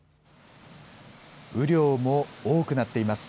雨量も多くなっています。